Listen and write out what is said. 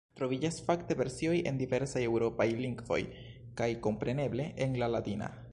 Troviĝas, fakte, versioj en diversaj eŭropaj lingvoj kaj, kompreneble, en la latina.